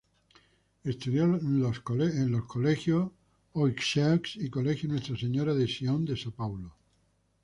Estudió los colegios Des Oiseaux y Colegio Nuestra Señora de Sion de São Paulo.